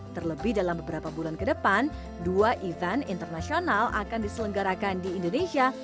terlebih dalam beberapa bulan ke depan dua event internasional akan diselenggarakan di indonesia